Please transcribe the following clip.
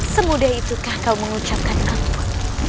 semudah itukah kau mengucapkan aku